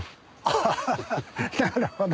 ハハハなるほど。